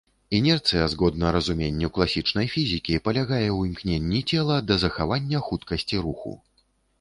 Інерцыя, згодна разуменню класічнай фізікі, палягае ў імкненні цела да захавання хуткасці руху.